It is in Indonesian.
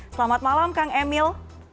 selamat malam kang emil